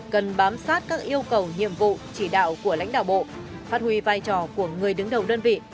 cần bám sát các yêu cầu nhiệm vụ chỉ đạo của lãnh đạo bộ phát huy vai trò của người đứng đầu đơn vị